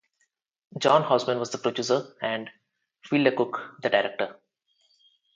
John Houseman was the producer and Fielder Cook the director.